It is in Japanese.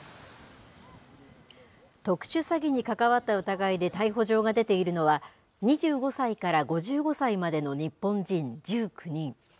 特殊詐欺に関わった疑いで逮捕状が出ているのは、２５歳から５５歳までの日本人１９人。